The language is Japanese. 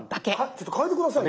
ちょっと変えて下さいよ。